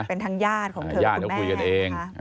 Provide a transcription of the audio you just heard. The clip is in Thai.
เป็นทางญาติของเธอญาติเขาคุยกันเอง